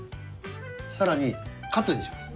さらにカツにします。